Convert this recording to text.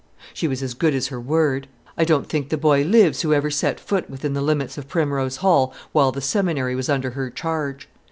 She was as good as her word. I don't think the boy lives who ever set foot within the limits of Primrose Hall while the seminary was under her charge.